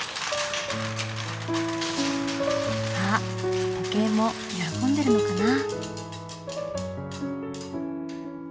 あっ時計も喜んでるのかな？